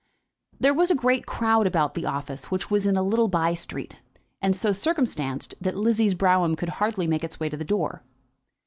There was a great crowd about the office, which was in a little by street, and so circumstanced that Lizzie's brougham could hardly make its way up to the door.